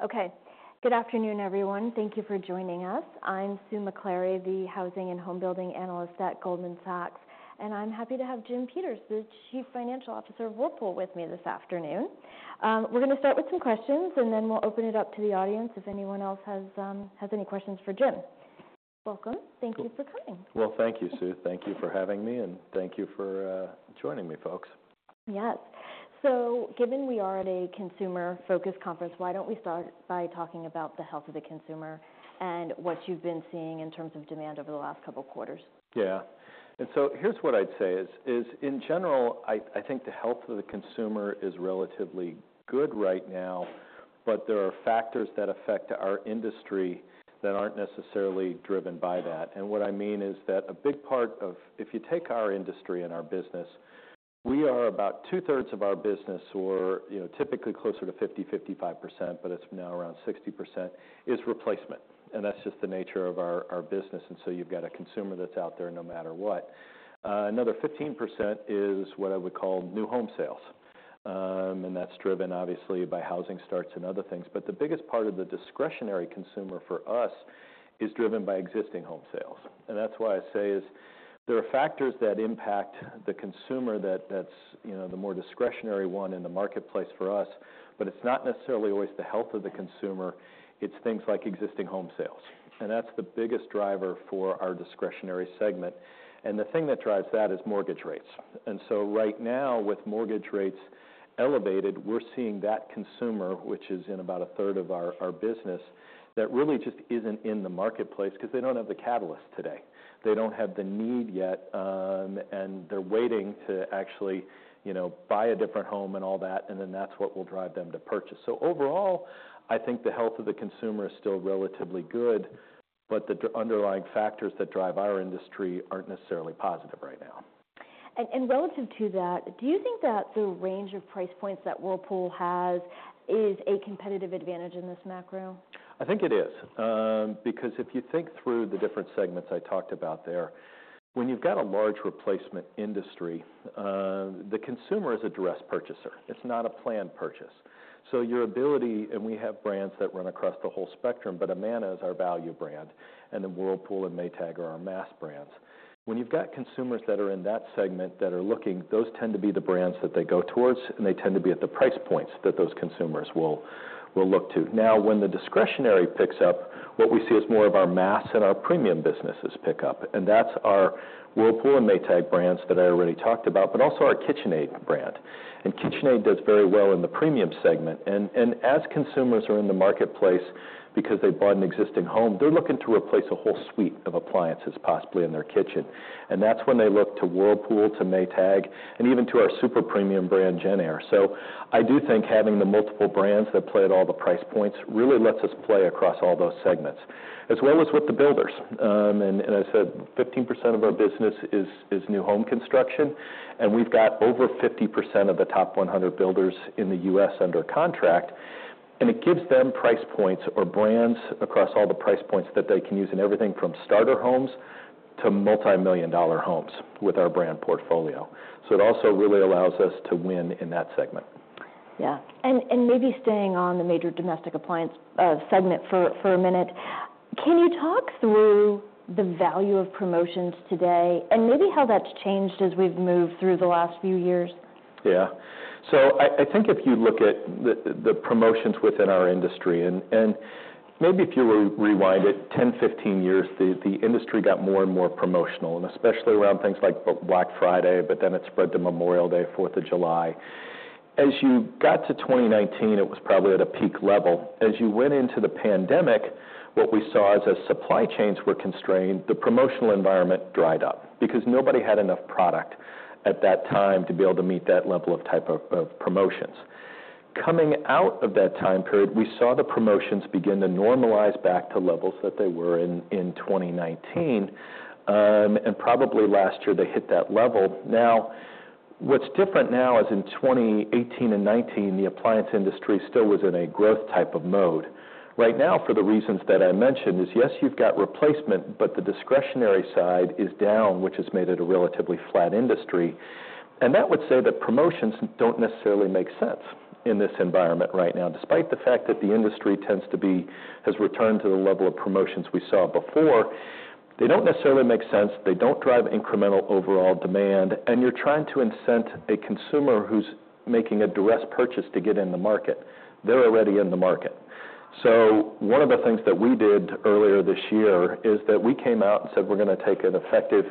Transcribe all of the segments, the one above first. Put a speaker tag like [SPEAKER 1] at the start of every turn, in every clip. [SPEAKER 1] Great! Ready?
[SPEAKER 2] Yep.
[SPEAKER 1] Okay. Good afternoon, everyone. Thank you for joining us. I'm Sue Maklari, the housing and home building analyst at Goldman Sachs, and I'm happy to have Jim Peters, the Chief Financial Officer of Whirlpool, with me this afternoon. We're gonna start with some questions, and then we'll open it up to the audience if anyone else has any questions for Jim. Welcome.
[SPEAKER 2] Cool.
[SPEAKER 1] Thank you for coming.
[SPEAKER 2] Thank you, Sue. Thank you for having me, and thank you for joining me, folks.
[SPEAKER 1] Yes, so given we are at a consumer-focused conference, why don't we start by talking about the health of the consumer and what you've been seeing in terms of demand over the last couple quarters?
[SPEAKER 2] Yeah. And so here's what I'd say is in general, I think the health of the consumer is relatively good right now, but there are factors that affect our industry that aren't necessarily driven by that. And what I mean is that a big part of. If you take our industry and our business, we are about 2/3 of our business, or, you know, typically closer to 50%-55%, but it's now around 60%, is replacement, and that's just the nature of our business, and so you've got a consumer that's out there no matter what. Another 15% is what I would call new home sales, and that's driven obviously by housing starts and other things. But the biggest part of the discretionary consumer for us is driven by existing home sales. And that's why I say, there are factors that impact the consumer that's, you know, the more discretionary one in the marketplace for us, but it's not necessarily always the health of the consumer, it's things like existing home sales, and that's the biggest driver for our discretionary segment. And the thing that drives that is mortgage rates. And so right now, with mortgage rates elevated, we're seeing that consumer, which is in about a third of our business, that really just isn't in the marketplace because they don't have the catalyst today. They don't have the need yet, and they're waiting to actually, you know, buy a different home and all that, and then that's what will drive them to purchase. Overall, I think the health of the consumer is still relatively good, but the underlying factors that drive our industry aren't necessarily positive right now.
[SPEAKER 1] Relative to that, do you think that the range of price points that Whirlpool has is a competitive advantage in this macro?
[SPEAKER 2] I think it is, because if you think through the different segments I talked about there, when you've got a large replacement industry, the consumer is a distress purchaser. It's not a planned purchase. So your ability... and we have brands that run across the whole spectrum, but Amana is our value brand, and then Whirlpool and Maytag are our mass brands. When you've got consumers that are in that segment that are looking, those tend to be the brands that they go towards, and they tend to be at the price points that those consumers will look to. Now, when the discretionary picks up, what we see is more of our mass and our premium businesses pick up, and that's our Whirlpool and Maytag brands that I already talked about, but also our KitchenAid brand, and KitchenAid does very well in the premium segment. As consumers are in the marketplace because they bought an existing home, they're looking to replace a whole suite of appliances, possibly in their kitchen. And that's when they look to Whirlpool, to Maytag, and even to our super premium brand, JennAir. So I do think having the multiple brands that play at all the price points really lets us play across all those segments, as well as with the builders. I said 15% of our business is new home construction, and we've got over 50% of the top 100 builders in the U.S. under contract, and it gives them price points or brands across all the price points that they can use in everything from starter homes to multi-million dollar homes with our brand portfolio. So it also really allows us to win in that segment.
[SPEAKER 1] Yeah. And maybe staying on the major domestic appliance segment for a minute, can you talk through the value of promotions today, and maybe how that's changed as we've moved through the last few years?
[SPEAKER 2] Yeah. So I think if you look at the promotions within our industry, and maybe if you were to rewind it 10, 15 years, the industry got more and more promotional, and especially around things like Black Friday, but then it spread to Memorial Day, Fourth of July. As you got to 2019, it was probably at a peak level. As you went into the pandemic, what we saw as the supply chains were constrained, the promotional environment dried up because nobody had enough product at that time to be able to meet that level of type of promotions. Coming out of that time period, we saw the promotions begin to normalize back to levels that they were in 2019, and probably last year, they hit that level. Now, what's different now is in 2018 and 2019, the appliance industry still was in a growth type of mode. Right now, for the reasons that I mentioned, is yes, you've got replacement, but the discretionary side is down, which has made it a relatively flat industry, and that would say that promotions don't necessarily make sense in this environment right now. Despite the fact that the industry tends to be, has returned to the level of promotions we saw before, they don't necessarily make sense, they don't drive incremental overall demand, and you're trying to incent a consumer who's making a distressed purchase to get in the market. They're already in the market. So one of the things that we did earlier this year is that we came out and said: We're gonna take an effective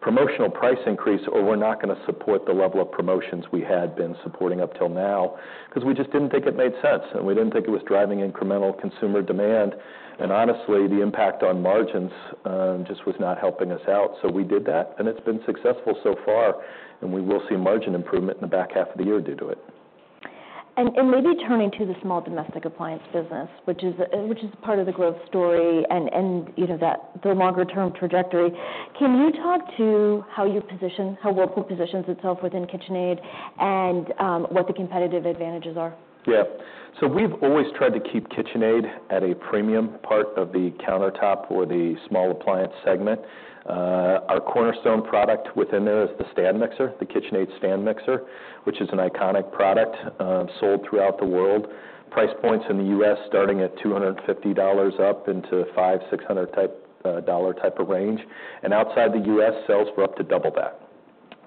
[SPEAKER 2] promotional price increase, or we're not gonna support the level of promotions we had been supporting up till now, because we just didn't think it made sense, and we didn't think it was driving incremental consumer demand. And honestly, the impact on margins just was not helping us out. So we did that, and it's been successful so far, and we will see margin improvement in the back half of the year due to it.
[SPEAKER 1] Maybe turning to the small domestic appliance business, which is part of the growth story, and you know, the longer term trajectory, can you talk to how Whirlpool positions itself within KitchenAid and what the competitive advantages are?
[SPEAKER 2] Yeah. So we've always tried to keep KitchenAid at a premium part of the countertop or the small appliance segment. Our cornerstone product within there is the stand mixer, the KitchenAid stand mixer, which is an iconic product, sold throughout the world. Price points in the U.S. starting at $250, up into $500-$600 type dollar type of range. And outside the U.S., sales were up to double that.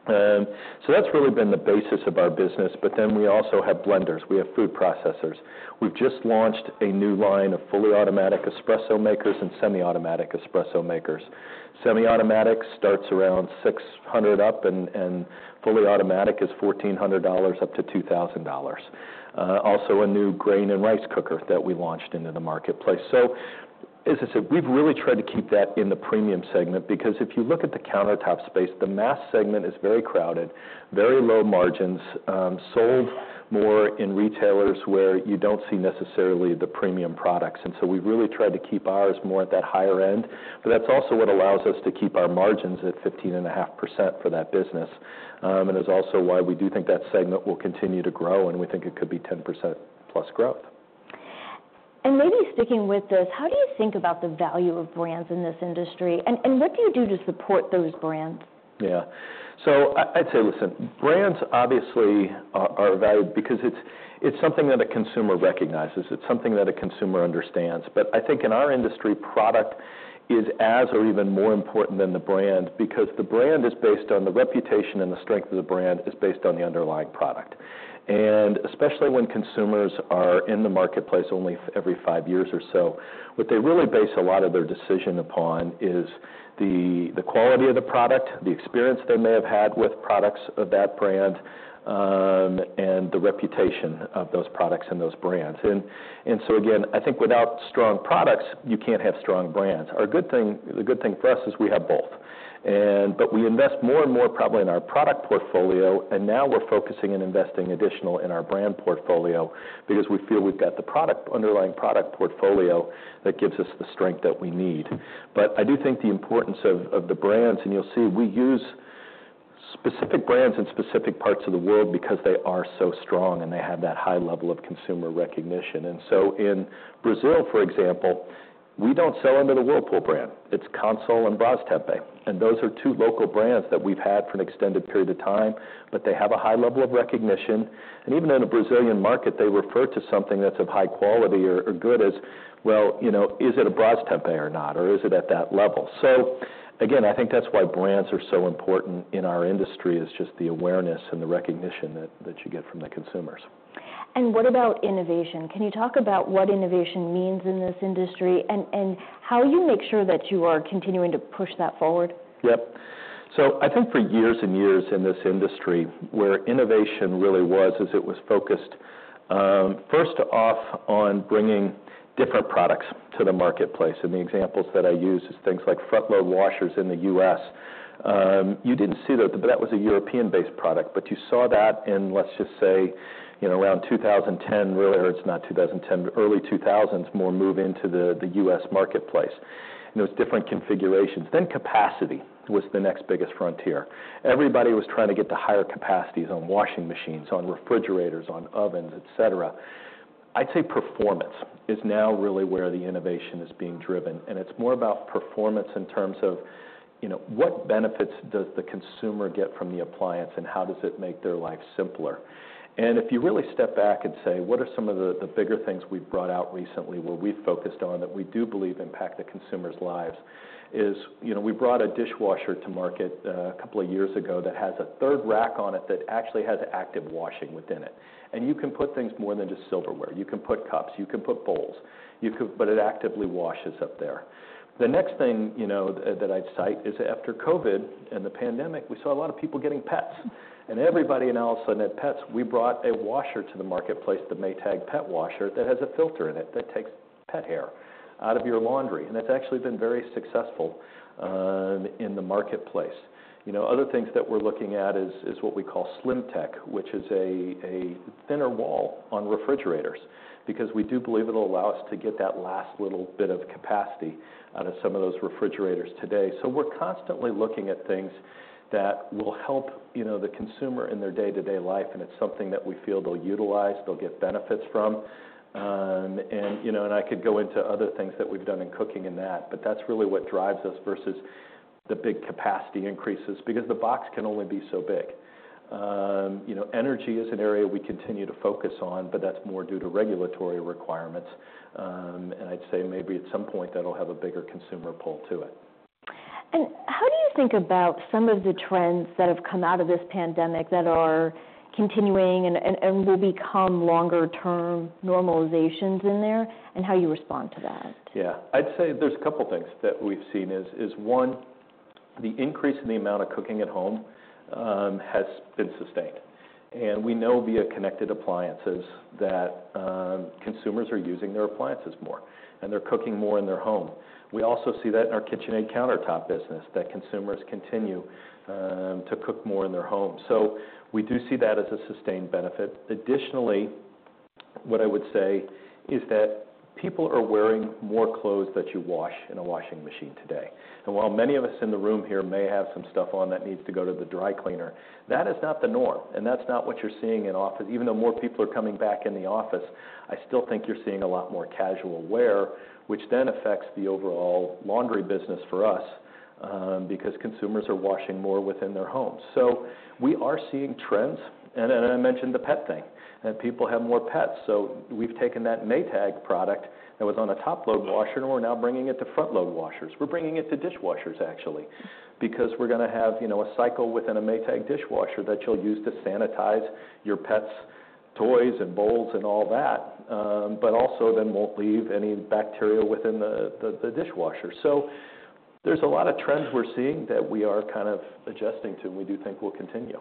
[SPEAKER 2] So that's really been the basis of our business, but then we also have blenders, we have food processors. We've just launched a new line of fully automatic espresso makers and semi-automatic espresso makers. Semi-automatic starts around $600 up, and fully automatic is $1,400-$2,000. Also a new grain and rice cooker that we launched into the marketplace. So as I said, we've really tried to keep that in the premium segment, because if you look at the countertop space, the mass segment is very crowded, very low margins, sold more in retailers where you don't see necessarily the premium products. And so we've really tried to keep ours more at that higher end, but that's also what allows us to keep our margins at 15.5% for that business. And is also why we do think that segment will continue to grow, and we think it could be 10% plus growth.
[SPEAKER 1] Maybe sticking with this, how do you think about the value of brands in this industry? And what do you do to support those brands?
[SPEAKER 2] Yeah. So I'd say, listen, brands obviously are valued because it's something that a consumer recognizes, it's something that a consumer understands. But I think in our industry, product is as or even more important than the brand, because the brand is based on the reputation, and the strength of the brand is based on the underlying product. And especially when consumers are in the marketplace only every five years or so, what they really base a lot of their decision upon is the quality of the product, the experience they may have had with products of that brand, and the reputation of those products and those brands. And so again, I think without strong products, you can't have strong brands. The good thing for us is we have both, but we invest more and more probably in our product portfolio, and now we're focusing and investing additional in our brand portfolio, because we feel we've got the underlying product portfolio that gives us the strength that we need. But I do think the importance of the brands, and you'll see, we use specific brands in specific parts of the world because they are so strong, and they have that high level of consumer recognition. And so in Brazil, for example, we don't sell under the Whirlpool brand, it's Consul and Brastemp, and those are two local brands that we've had for an extended period of time, but they have a high level of recognition. Even in a Brazilian market, they refer to something that's of high quality or good as, "Well, you know, is it a Brastemp or not, or is it at that level?" Again, I think that's why brands are so important in our industry, is just the awareness and the recognition that you get from the consumers.
[SPEAKER 1] What about innovation? Can you talk about what innovation means in this industry, and how you make sure that you are continuing to push that forward?
[SPEAKER 2] Yep. So I think for years and years in this industry, where innovation really was, is it was focused, first off, on bringing different products to the marketplace, and the examples that I use is things like front-load washers in the U.S. You didn't see that, but that was a European-based product. But you saw that in, let's just say, you know, around 2010, really, or it's not 2010, but early 2000s, more move into the U.S. marketplace, and it was different configurations. Then capacity was the next biggest frontier. Everybody was trying to get to higher capacities on washing machines, on refrigerators, on ovens, et cetera. I'd say performance is now really where the innovation is being driven, and it's more about performance in terms of, you know, what benefits does the consumer get from the appliance, and how does it make their life simpler? And if you really step back and say, what are some of the bigger things we've brought out recently, where we've focused on, that we do believe impact the consumers' lives, is, you know, we brought a dishwasher to market a couple of years ago that has a third rack on it that actually has active washing within it. And you can put things more than just silverware. You can put cups, you can put bowls, but it actively washes up there. The next thing, you know, that I'd cite is, after COVID and the pandemic, we saw a lot of people getting pets, and everybody now all of a sudden had pets. We brought a washer to the marketplace, the Maytag pet washer, that has a filter in it that takes pet hair out of your laundry, and that's actually been very successful in the marketplace. You know, other things that we're looking at is what we call SlimTech, which is a thinner wall on refrigerators, because we do believe it'll allow us to get that last little bit of capacity out of some of those refrigerators today. So we're constantly looking at things that will help, you know, the consumer in their day-to-day life, and it's something that we feel they'll utilize, they'll get benefits from. You know, I could go into other things that we've done in cooking and that, but that's really what drives us versus the big capacity increases, because the box can only be so big. You know, energy is an area we continue to focus on, but that's more due to regulatory requirements, and I'd say maybe at some point that'll have a bigger consumer pull to it.
[SPEAKER 1] How do you think about some of the trends that have come out of this pandemic that are continuing and will become longer term normalizations in there, and how you respond to that?
[SPEAKER 2] Yeah. I'd say there's a couple things that we've seen, is one, the increase in the amount of cooking at home has been sustained. And we know via connected appliances, that consumers are using their appliances more, and they're cooking more in their home. We also see that in our KitchenAid countertop business, that consumers continue to cook more in their homes. So we do see that as a sustained benefit. Additionally, what I would say is that people are wearing more clothes that you wash in a washing machine today. And while many of us in the room here may have some stuff on that needs to go to the dry cleaner, that is not the norm, and that's not what you're seeing in office. Even though more people are coming back in the office, I still think you're seeing a lot more casual wear, which then affects the overall laundry business for us, because consumers are washing more within their homes. So we are seeing trends, and I mentioned the pet thing, and people have more pets. So we've taken that Maytag product that was on a top-load washer, and we're now bringing it to front-load washers. We're bringing it to dishwashers, actually, because we're gonna have, you know, a cycle within a Maytag dishwasher that you'll use to sanitize your pets' toys and bowls and all that, but also then won't leave any bacteria within the dishwasher. So there's a lot of trends we're seeing that we are kind of adjusting to, and we do think will continue.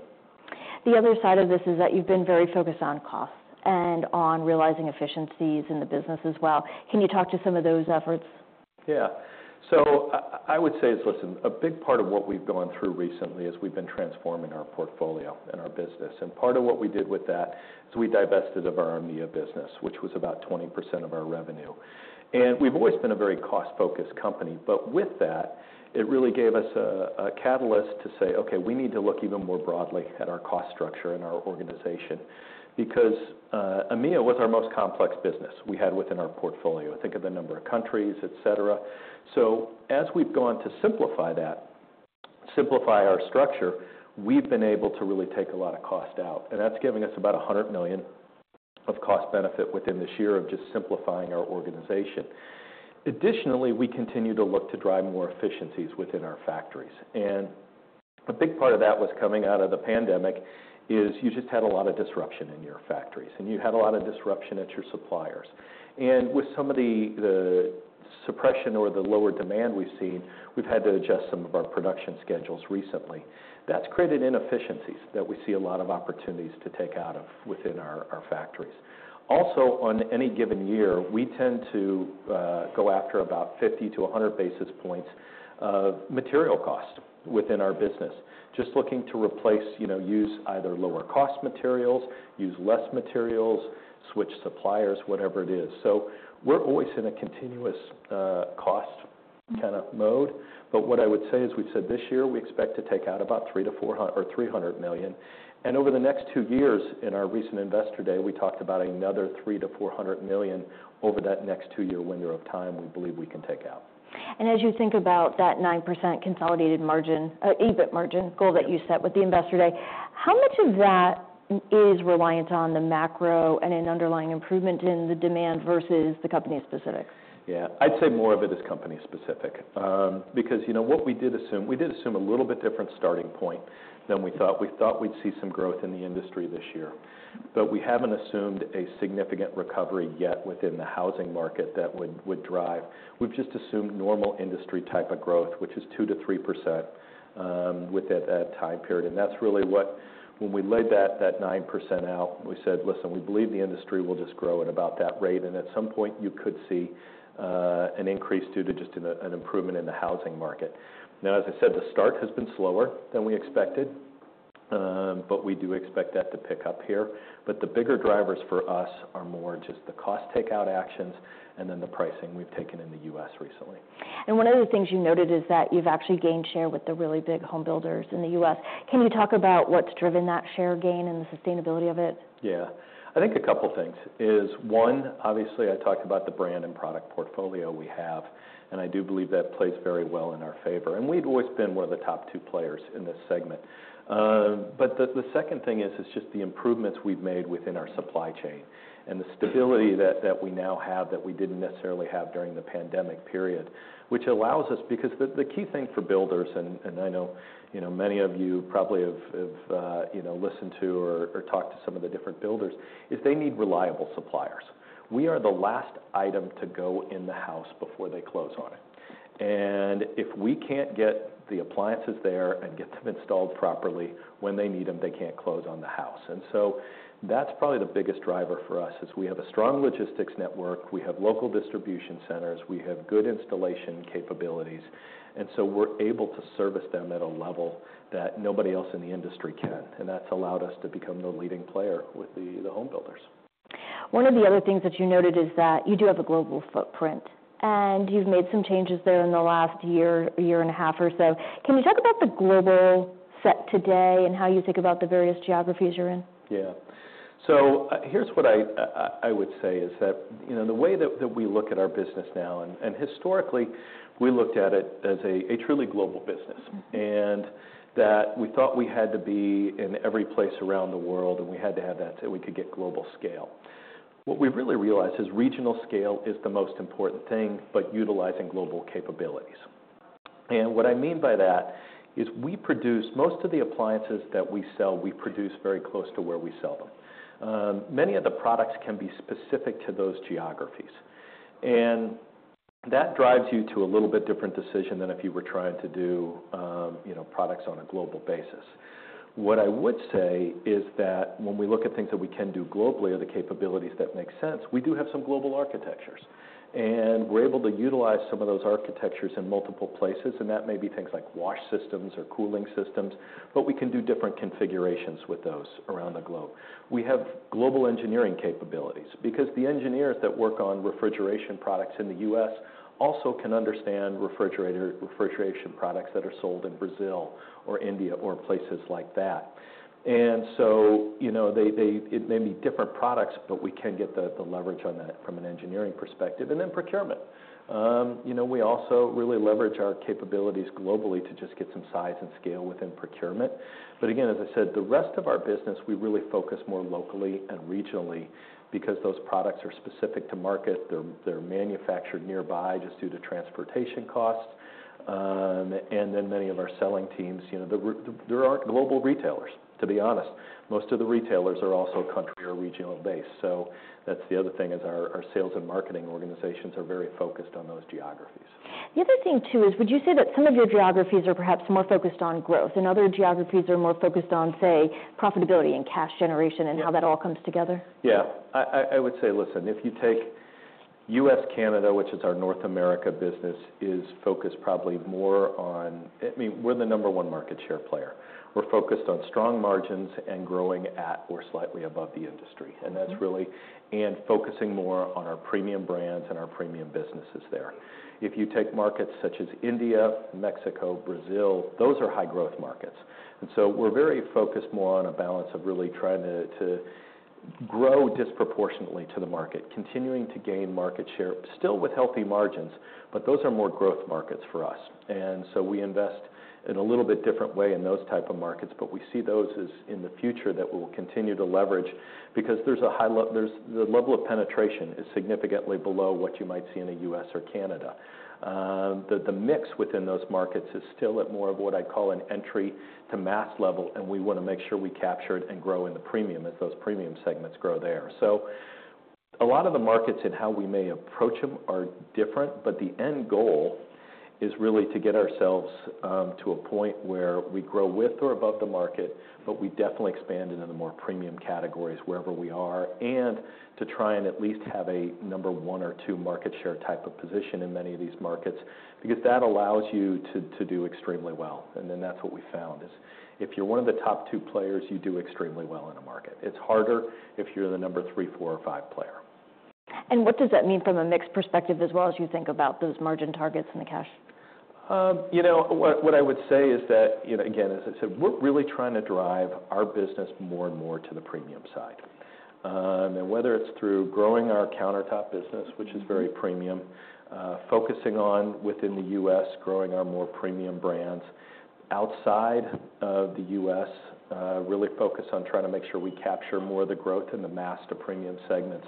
[SPEAKER 1] The other side of this is that you've been very focused on costs and on realizing efficiencies in the business as well. Can you talk to some of those efforts?
[SPEAKER 2] Yeah. So I would say, listen, a big part of what we've gone through recently is we've been transforming our portfolio and our business. Part of what we did with that is we divested of our EMEA business, which was about 20% of our revenue. We've always been a very cost-focused company, but with that, it really gave us a catalyst to say, "Okay, we need to look even more broadly at our cost structure and our organization," because EMEA was our most complex business we had within our portfolio. Think of the number of countries, et cetera. So as we've gone to simplify that, simplify our structure, we've been able to really take a lot of cost out, and that's giving us about $100 million of cost benefit within this year of just simplifying our organization. Additionally, we continue to look to drive more efficiencies within our factories, and a big part of that was coming out of the pandemic, is you just had a lot of disruption in your factories, and you had a lot of disruption at your suppliers, and with some of the suppression or the lower demand we've seen, we've had to adjust some of our production schedules recently. That's created inefficiencies that we see a lot of opportunities to take out of within our factories. Also, on any given year, we tend to go after about 50-100 basis points of material cost within our business. Just looking to replace, you know, use either lower-cost materials, use less materials, switch suppliers, whatever it is, so we're always in a continuous cost kind of mode. But what I would say is, we've said this year, we expect to take out about $300 million-$400 million, and over the next two years, in our recent Investor Day, we talked about another $300 million-$400 million over that next two-year window of time, we believe we can take out.
[SPEAKER 1] And as you think about that 9% consolidated margin, EBIT margin goal that you set with the Investor Day, how much of that is reliant on the macro and an underlying improvement in the demand versus the company specific?
[SPEAKER 2] Yeah. I'd say more of it is company specific. Because, you know, what we did assume, we did assume a little bit different starting point than we thought. We thought we'd see some growth in the industry this year, but we haven't assumed a significant recovery yet within the housing market that would drive... We've just assumed normal industry type of growth, which is 2%-3%, with that time period. And that's really what, when we laid that 9% out, we said: Listen, we believe the industry will just grow at about that rate, and at some point, you could see an increase due to just an improvement in the housing market. Now, as I said, the start has been slower than we expected, but we do expect that to pick up here. But the bigger drivers for us are more just the cost takeout actions and then the pricing we've taken in the U.S. recently.
[SPEAKER 1] And one of the things you noted is that you've actually gained share with the really big home builders in the U.S. Can you talk about what's driven that share gain and the sustainability of it?
[SPEAKER 2] Yeah. I think a couple things is, one, obviously, I talked about the brand and product portfolio we have, and I do believe that plays very well in our favor, and we've always been one of the top two players in this segment, but the second thing is just the improvements we've made within our supply chain and the stability that we now have that we didn't necessarily have during the pandemic period, which allows us, because the key thing for builders, and I know you know many of you probably have listened to or talked to some of the different builders, is they need reliable suppliers. We are the last item to go in the house before they close on it, and if we can't get the appliances there and get them installed properly when they need them, they can't close on the house. And so that's probably the biggest driver for us, is we have a strong logistics network, we have local distribution centers, we have good installation capabilities, and so we're able to service them at a level that nobody else in the industry can. And that's allowed us to become the leading player with the home builders.
[SPEAKER 1] One of the other things that you noted is that you do have a global footprint, and you've made some changes there in the last year, year and a half or so. Can you talk about the global set today and how you think about the various geographies you're in?
[SPEAKER 2] Yeah. So, here's what I would say is that, you know, the way that we look at our business now, and historically, we looked at it as a truly global business.
[SPEAKER 1] Mm-hmm.
[SPEAKER 2] And that we thought we had to be in every place around the world, and we had to have that so we could get global scale. What we've really realized is regional scale is the most important thing, but utilizing global capabilities. And what I mean by that is we produce most of the appliances that we sell very close to where we sell them. Many of the products can be specific to those geographies, and that drives you to a little bit different decision than if you were trying to do, you know, products on a global basis. What I would say is that when we look at things that we can do globally, or the capabilities that make sense, we do have some global architectures. And we're able to utilize some of those architectures in multiple places, and that may be things like wash systems or cooling systems, but we can do different configurations with those around the globe. We have global engineering capabilities because the engineers that work on refrigeration products in the U.S. also can understand refrigeration products that are sold in Brazil or India or places like that. And so, you know, it may be different products, but we can get the leverage on that from an engineering perspective. And then procurement. You know, we also really leverage our capabilities globally to just get some size and scale within procurement. But again, as I said, the rest of our business, we really focus more locally and regionally, because those products are specific to market. They're manufactured nearby, just due to transportation costs. And then many of our selling teams, you know, there aren't global retailers, to be honest. Most of the retailers are also country or regional based. So that's the other thing, is our sales and marketing organizations are very focused on those geographies.
[SPEAKER 1] The other thing, too, is would you say that some of your geographies are perhaps more focused on growth, and other geographies are more focused on, say, profitability and cash generation and how that all comes together?
[SPEAKER 2] Yeah. I would say, listen, if you take U.S., Canada, which is our North America business, is focused probably more on. I mean, we're the number one market share player. We're focused on strong margins and growing at or slightly above the industry.
[SPEAKER 1] Mm-hmm.
[SPEAKER 2] And focusing more on our premium brands and our premium businesses there. If you take markets such as India, Mexico, Brazil, those are high-growth markets, and so we're very focused more on a balance of really trying to grow disproportionately to the market, continuing to gain market share, still with healthy margins, but those are more growth markets for us. And so we invest in a little bit different way in those type of markets, but we see those as in the future, that we'll continue to leverage because there's the level of penetration is significantly below what you might see in the U.S. or Canada. The mix within those markets is still at more of what I'd call an entry to mass level, and we wanna make sure we capture it and grow in the premium as those premium segments grow there, so a lot of the markets and how we may approach them are different, but the end goal is really to get ourselves to a point where we grow with or above the market, but we definitely expand into the more premium categories wherever we are, and to try and at least have a number one or two market share type of position in many of these markets, because that allows you to do extremely well, and then that's what we found is if you're one of the top two players, you do extremely well in a market. It's harder if you're the number three, four or five player.
[SPEAKER 1] What does that mean from a mix perspective, as well, as you think about those margin targets and the cash?
[SPEAKER 2] You know, what I would say is that, you know, again, as I said, we're really trying to drive our business more and more to the premium side, and whether it's through growing our countertop business which is very premium, focusing on within the U.S., growing our more premium brands. Outside of the U.S., really focus on trying to make sure we capture more of the growth in the mass to premium segments.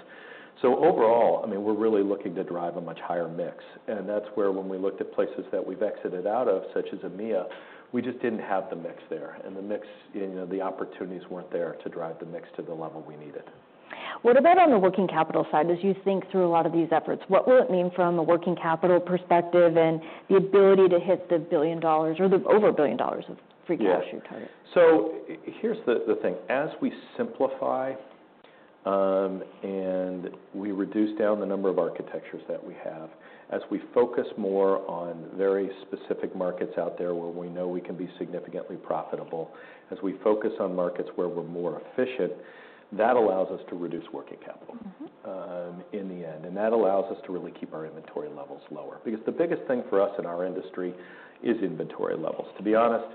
[SPEAKER 2] So overall, I mean, we're really looking to drive a much higher mix, and that's where when we looked at places that we've exited out of, such as EMEA, we just didn't have the mix there, and the mix, you know, the opportunities weren't there to drive the mix to the level we needed.
[SPEAKER 1] What about on the working capital side? As you think through a lot of these efforts, what will it mean from a working capital perspective and the ability to hit the $1 billion or the over $1 billion of free cash flow target?
[SPEAKER 2] Yes. So here's the thing: As we simplify, and we reduce down the number of architectures that we have, as we focus more on very specific markets out there where we know we can be significantly profitable, as we focus on markets where we're more efficient, that allows us to reduce working capital in the end, and that allows us to really keep our inventory levels lower. Because the biggest thing for us in our industry is inventory levels. To be honest,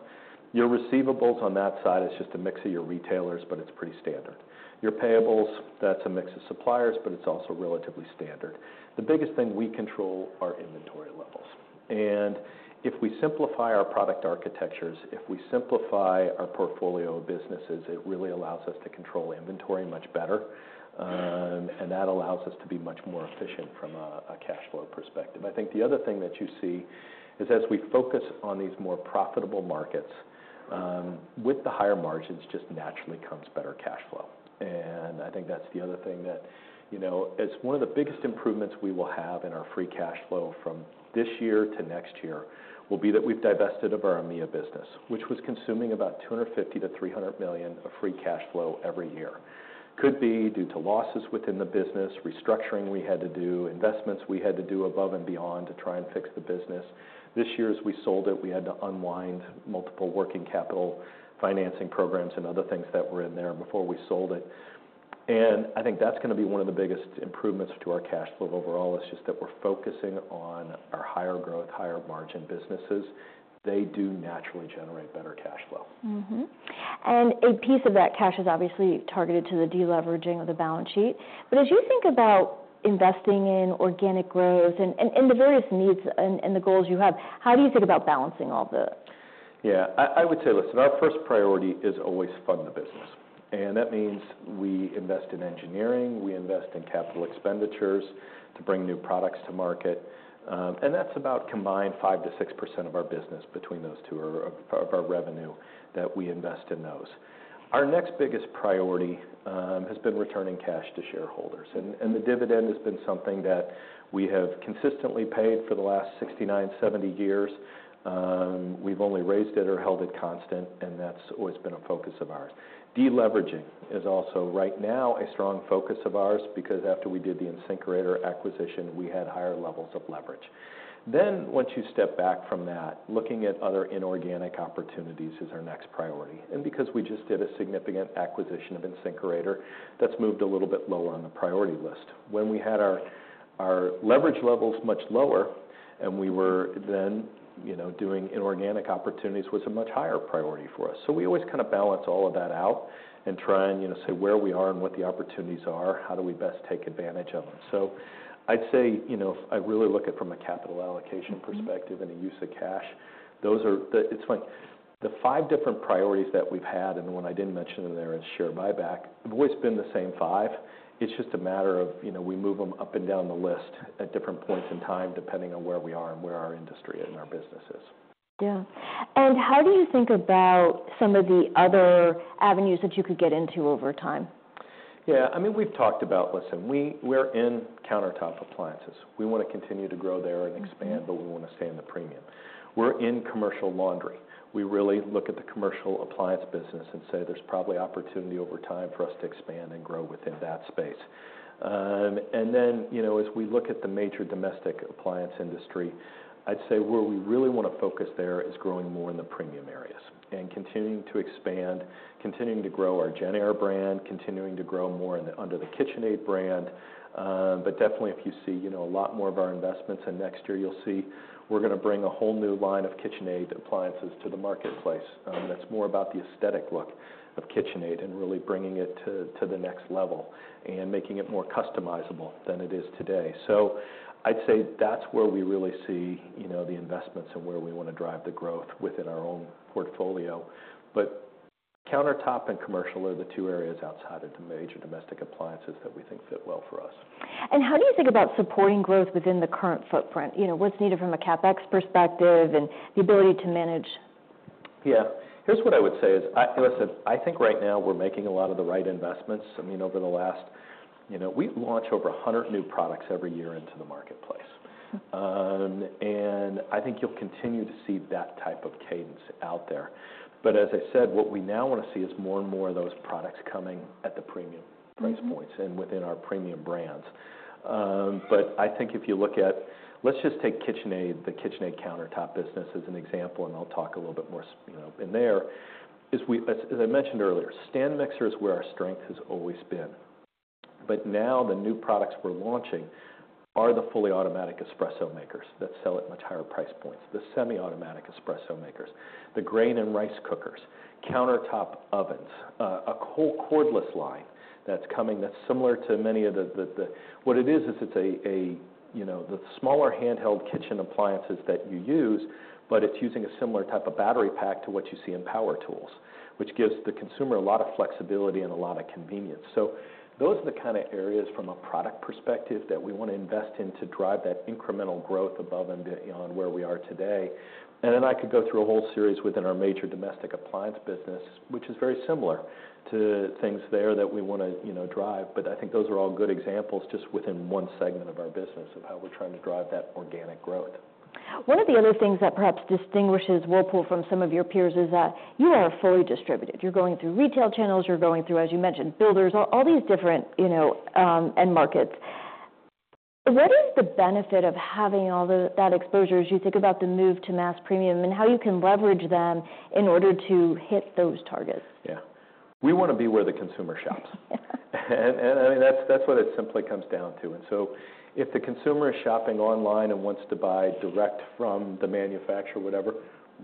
[SPEAKER 2] your receivables on that side is just a mix of your retailers, but it's pretty standard. Your payables, that's a mix of suppliers, but it's also relatively standard. The biggest thing we control are inventory levels. And if we simplify our product architectures, if we simplify our portfolio of businesses, it really allows us to control inventory much better. And that allows us to be much more efficient from a cash flow perspective. I think the other thing that you see is, as we focus on these more profitable markets, with the higher margins, just naturally comes better cash flow. And I think that's the other thing that, you know... It's one of the biggest improvements we will have in our free cash flow from this year to next year. It will be that we've divested of our EMEA business, which was consuming about $250 million-$300 million of free cash flow every year. This could be due to losses within the business, restructuring we had to do, investments we had to do above and beyond to try and fix the business. This year, as we sold it, we had to unwind multiple working capital financing programs and other things that were in there before we sold it. I think that's gonna be one of the biggest improvements to our cash flow overall. It is just that we're focusing on our higher growth, higher margin businesses. They do naturally generate better cash flow.
[SPEAKER 1] Mm-hmm. And a piece of that cash is obviously targeted to the deleveraging of the balance sheet. But as you think about investing in organic growth and the various needs and the goals you have, how do you think about balancing all that?
[SPEAKER 2] Yeah. I would say, listen, our first priority is always fund the business, and that means we invest in engineering, we invest in capital expenditures to bring new products to market. And that's about combined 5-6% of our business between those two are of our revenue that we invest in those. Our next biggest priority has been returning cash to shareholders, and the dividend has been something that we have consistently paid for the last 69-70 years. We've only raised it or held it constant, and that's always been a focus of ours. Deleveraging is also, right now, a strong focus of ours, because after we did the InSinkErator acquisition, we had higher levels of leverage. Then once you step back from that, looking at other inorganic opportunities is our next priority. Because we just did a significant acquisition of InSinkErator, that's moved a little bit lower on the priority list. When we had our leverage levels much lower, and we were then, you know, doing inorganic opportunities, was a much higher priority for us. So we always kind of balance all of that out and try and, you know, say where we are and what the opportunities are, how do we best take advantage of them? So I'd say, you know, if I really look it from a capital allocation perspective and a use of cash, those are the five different priorities that we've had, and the one I didn't mention in there is share buyback, have always been the same five. It's just a matter of, you know, we move them up and down the list at different points in time, depending on where we are and where our industry and our business is.
[SPEAKER 1] Yeah. And how do you think about some of the other avenues that you could get into over time?
[SPEAKER 2] Yeah, I mean, we've talked about, listen, we're in countertop appliances. We want to continue to grow there and expand, but we want to stay in the premium. We're in commercial laundry. We really look at the commercial appliance business and say, there's probably opportunity over time for us to expand and grow within that space. And then, you know, as we look at the major domestic appliance industry, I'd say where we really want to focus there is growing more in the premium areas and continuing to expand, continuing to grow our JennAir brand, continuing to grow more under the KitchenAid brand. But definitely, if you see, you know, a lot more of our investments, and next year, you'll see we're gonna bring a whole new line of KitchenAid appliances to the marketplace. That's more about the aesthetic look of KitchenAid and really bringing it to the next level and making it more customizable than it is today. So I'd say that's where we really see, you know, the investments and where we want to drive the growth within our own portfolio. But countertop and commercial are the two areas outside of the major domestic appliances that we think fit well for us.
[SPEAKER 1] And how do you think about supporting growth within the current footprint? You know, what's needed from a CapEx perspective and the ability to manage?
[SPEAKER 2] Yeah. Here's what I would say is, I think right now we're making a lot of the right investments. I mean, over the last, you know, we launch over a hundred new products every year into the marketplace.
[SPEAKER 1] Mm-hmm.
[SPEAKER 2] And I think you'll continue to see that type of cadence out there. But as I said, what we now want to see is more and more of those products coming at the premium price points and within our premium brands, but I think if you look at, let's just take KitchenAid, the KitchenAid countertop business, as an example, and I'll talk a little bit more, you know, in there. As I mentioned earlier, stand mixer is where our strength has always been, but now the new products we're launching are the fully automatic espresso makers that sell at much higher price points, the semi-automatic espresso makers, the grain and rice cookers, countertop ovens, a whole cordless line that's coming that's similar to many of the. What it is, is it's a, you know, the smaller handheld kitchen appliances that you use, but it's using a similar type of battery pack to what you see in power tools, which gives the consumer a lot of flexibility and a lot of convenience. So those are the kind of areas from a product perspective that we want to invest in to drive that incremental growth above and beyond where we are today. And then I could go through a whole series within our major domestic appliance business, which is very similar to things there that we want to, you know, drive. But I think those are all good examples, just within one segment of our business, of how we're trying to drive that organic growth.
[SPEAKER 1] One of the other things that perhaps distinguishes Whirlpool from some of your peers is that you are fully distributed. You're going through retail channels, you're going through, as you mentioned, builders, all these different, you know, end markets. What is the benefit of having that exposure as you think about the move to mass premium, and how you can leverage them in order to hit those targets?
[SPEAKER 2] Yeah. We want to be where the consumer shops. And, I mean, that's what it simply comes down to. And so if the consumer is shopping online and wants to buy direct from the manufacturer, whatever,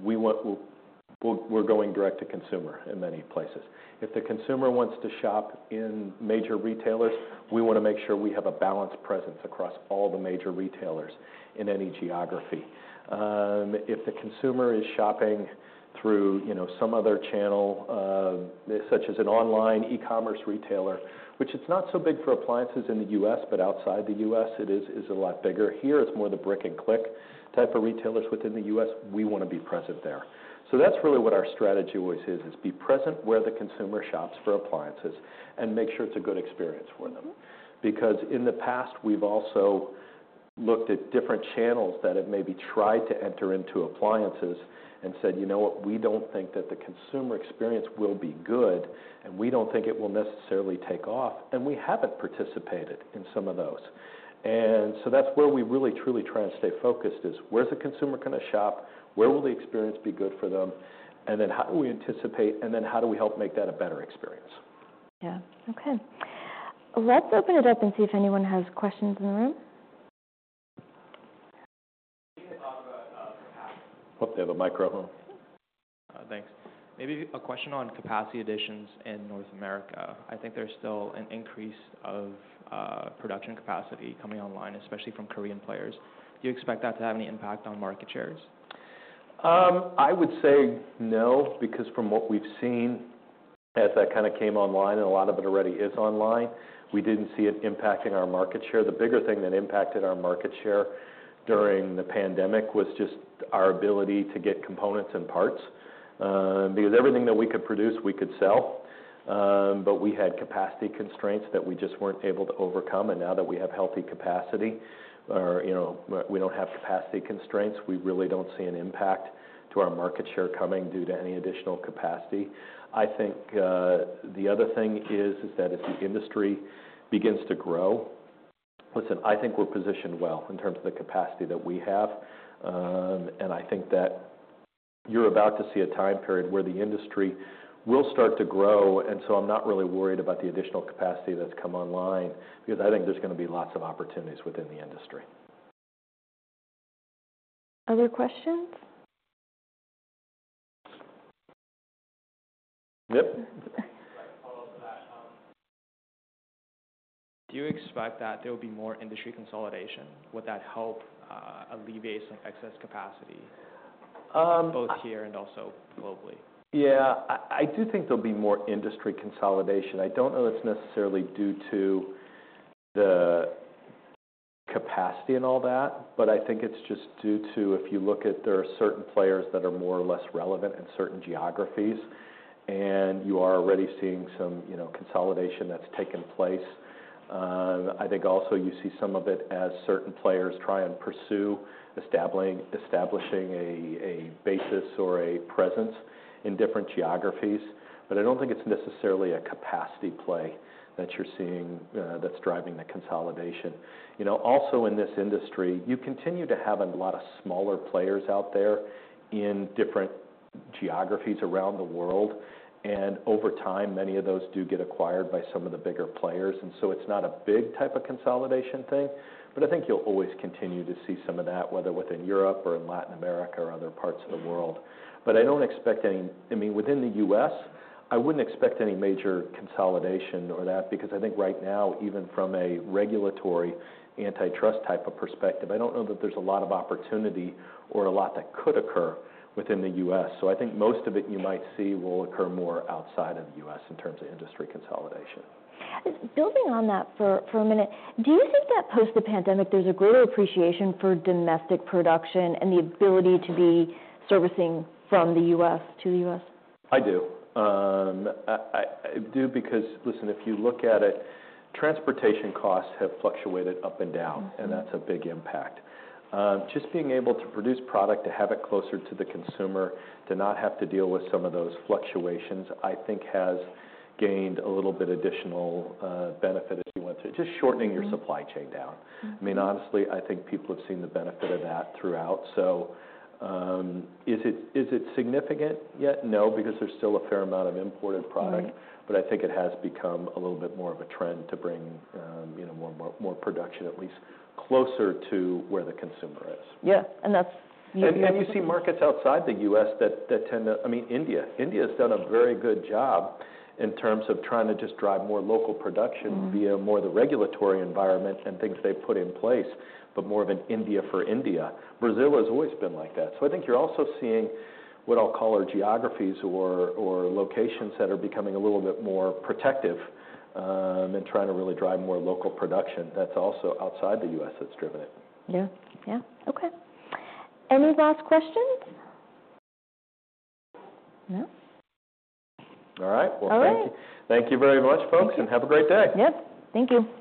[SPEAKER 2] we're going direct to consumer in many places. If the consumer wants to shop in major retailers, we want to make sure we have a balanced presence across all the major retailers in any geography. If the consumer is shopping through, you know, some other channel, such as an online e-commerce retailer, which it's not so big for appliances in the U.S., but outside the U.S., it is a lot bigger. Here, it's more the brick-and-click type of retailers within the U.S., we want to be present there. So that's really what our strategy always is, is be present where the consumer shops for appliances and make sure it's a good experience for them.
[SPEAKER 1] Mm-hmm.
[SPEAKER 2] Because in the past, we've also looked at different channels that have maybe tried to enter into appliances and said, "You know what? We don't think that the consumer experience will be good, and we don't think it will necessarily take off," and we haven't participated in some of those. And so that's where we really, truly try and stay focused, is: Where's the consumer gonna shop? Where will the experience be good for them? And then how do we anticipate, and then how do we help make that a better experience?
[SPEAKER 1] Yeah. Okay. Let's open it up and see if anyone has questions in the room. Can we talk about capacity?
[SPEAKER 2] Hope they have a microphone.
[SPEAKER 1] Mm-hmm. Thanks. Maybe a question on capacity additions in North America. I think there's still an increase of production capacity coming online, especially from Korean players. Do you expect that to have any impact on market shares?
[SPEAKER 2] I would say no, because from what we've seen, as that kind of came online, and a lot of it already is online, we didn't see it impacting our market share. The bigger thing that impacted our market share during the pandemic was just our ability to get components and parts. Because everything that we could produce, we could sell, but we had capacity constraints that we just weren't able to overcome, and now that we have healthy capacity, or, you know, we don't have capacity constraints, we really don't see an impact to our market share coming due to any additional capacity. I think, the other thing is that if the industry begins to grow, listen, I think we're positioned well in terms of the capacity that we have. And I think that you're about to see a time period where the industry will start to grow, and so I'm not really worried about the additional capacity that's come online because I think there's gonna be lots of opportunities within the industry.
[SPEAKER 1] Other questions?
[SPEAKER 2] Yep. Do you expect that there will be more industry consolidation? Would that help alleviate some excess capacity? Uhm. Both here and also globally? Yeah, I do think there'll be more industry consolidation. I don't know if it's necessarily due to the capacity and all that, but I think it's just due to, if you look at there are certain players that are more or less relevant in certain geographies, and you are already seeing some, you know, consolidation that's taken place. I think also you see some of it as certain players try and pursue establishing a basis or a presence in different geographies. But I don't think it's necessarily a capacity play that you're seeing that's driving the consolidation. You know, also in this industry, you continue to have a lot of smaller players out there in different geographies around the world, and over time, many of those do get acquired by some of the bigger players. It's not a big type of consolidation thing, but I think you'll always continue to see some of that, whether within Europe or in Latin America or other parts of the world. I don't expect, I mean, within the U.S., I wouldn't expect any major consolidation or that, because I think right now, even from a regulatory, antitrust type of perspective, I don't know that there's a lot of opportunity or a lot that could occur within the U.S. I think most of it you might see will occur more outside of the U.S. in terms of industry consolidation.
[SPEAKER 1] Building on that for a minute, do you think that post the pandemic, there's a greater appreciation for domestic production and the ability to be servicing from the U.S. to the U.S.?
[SPEAKER 2] I do, because listen, if you look at it, transportation costs have fluctuated up and down and that's a big impact. Just being able to produce product, to have it closer to the consumer, to not have to deal with some of those fluctuations, I think has gained a little bit additional benefit, if you want to... Just shortening your supply chain down.
[SPEAKER 1] Mm-hmm.
[SPEAKER 2] I mean, honestly, I think people have seen the benefit of that throughout. So, is it, is it significant yet? No, because there's still a fair amount of imported product.
[SPEAKER 1] Mm-hmm.
[SPEAKER 2] But I think it has become a little bit more of a trend to bring more production at least closer to where the consumer is.
[SPEAKER 1] Yeah, and that's...
[SPEAKER 2] You see markets outside the U.S. that tend to... I mean, India. India has done a very good job in terms of trying to just drive more local production via more of the regulatory environment and things they've put in place, but more of an India for India. Brazil has always been like that. So I think you're also seeing what I'll call our geographies or locations that are becoming a little bit more protective, and trying to really drive more local production. That's also outside the U.S. that's driven it.
[SPEAKER 1] Yeah. Yeah. Okay. Any last questions? No.
[SPEAKER 2] All right.
[SPEAKER 1] All right.
[SPEAKER 2] Thank you. Thank you very much, folks, and have a great day.
[SPEAKER 1] Yep. Thank you.